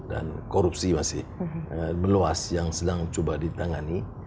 dan korupsi masih meluas yang sedang coba ditangani